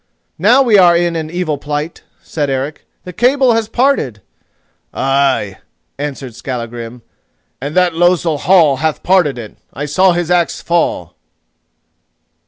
"Now we are in an evil plight," said Eric, "the cable has parted!" "Ay," answered Skallagrim, "and that losel Hall hath parted it! I saw his axe fall."